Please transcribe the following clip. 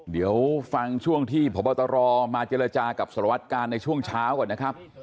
เดี๋ยวฟังช่วงที่พบตรมาเจรจากับสารวัตกาลในช่วงเช้าก่อนนะครับ